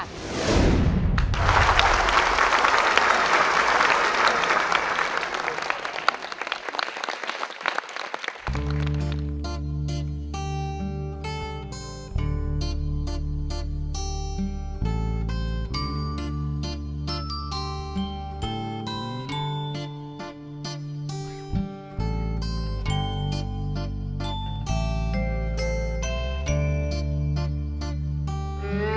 เพลงเกมจากภาพแห่งไทย